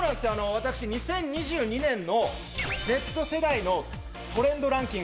私２０２２年のＺ世代のトレンドランキング